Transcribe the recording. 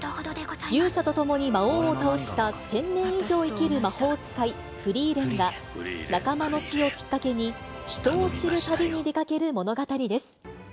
勇者と共に魔王を倒した１０００年以上生きる魔法使い、フリーレンが、仲間の死をきっかけに、人を知る旅に出かける物語です。